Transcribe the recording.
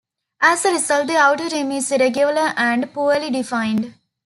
As a result, the outer rim is irregular and poorly defined.